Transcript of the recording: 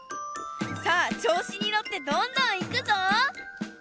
さあちょうしにのってどんどんいくぞ！